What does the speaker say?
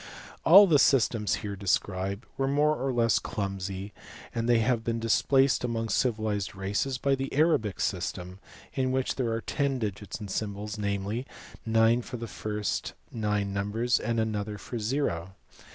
All the systems here described were more or less clumsy, and they have been displaced among civilized races by the Arabic system in which there are ten digits or symbols, namely, nine for the first nine numbers and another for zero.